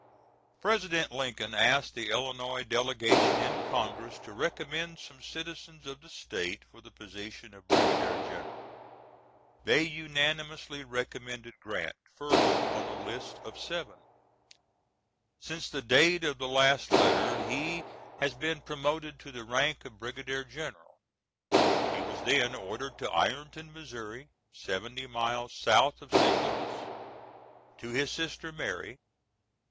[President Lincoln asked the Illinois delegation in Congress to recommend some citizens of the State for the position of brigadier general. They unanimously recommended Grant first on a list of seven. Since the date of the last letter he has been promoted to the rank of brigadier general. He was then ordered to Ironton, Mo., seventy miles south of St. Louis. To his sister Mary.